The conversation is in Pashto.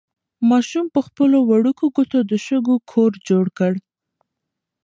ماشوم په خپلو وړوکو ګوتو د شګو کور جوړ کړ.